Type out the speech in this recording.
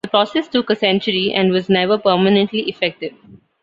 The process took a century and was never permanently effective.